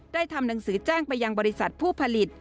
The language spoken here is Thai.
ทำหนังสือแจ้งไปยังบริษัทผู้ผลิต